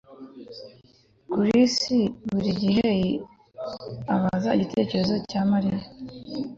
Chris buri gihe abaza igitekerezo cya Mariya